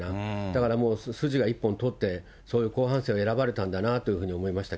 だからもう、筋が一本通った、そういう後半生を選ばれたんだろうなと思いまし